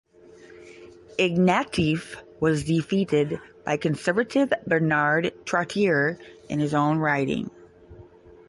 Ignatieff was defeated by Conservative Bernard Trottier in his own riding.